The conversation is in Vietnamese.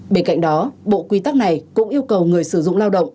bên cạnh đó bộ quy tắc này cũng yêu cầu người sử dụng lao động